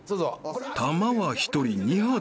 ［弾は１人２発］